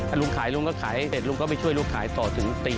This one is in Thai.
ถ้าลุงขายลุงก็ขายเสร็จลุงก็ไปช่วยลุงขายต่อถึงตี